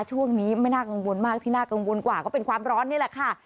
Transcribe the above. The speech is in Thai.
ช่วงนี้ไม่น่ากังวลมากที่น่ากังวลกว่าก็เป็นความร้อนนี่แหละค่ะ